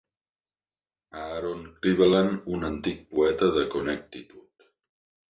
Aaron Cleveland, un antic poeta de Connecticut.